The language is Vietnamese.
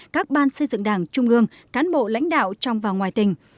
các ban xây dựng đảng trung ương cán bộ lãnh đạo trong và ngoài tỉnh